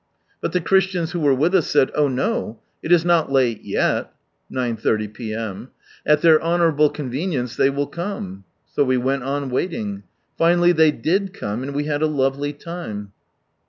But the Christians who were with us said " Oh no I It is not late yet " (9.30 p.m.) ;" at their honourable convenience they will come." So we went on waiting. Finally they did come, and we liad a lovely time.